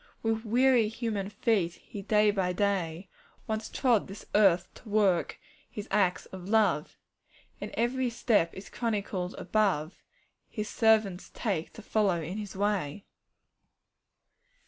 'With weary human "feet" He, day by day, Once trod this earth to work His acts of love; And every step is chronicled above His servants take to follow in His way.'